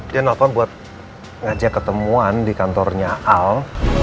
dia nelfon buat ngajak ketemuan di kantornya al